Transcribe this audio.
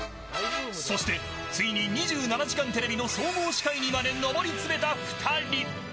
そして、ついに２７時間テレビの総合司会にまで上り詰めた２人。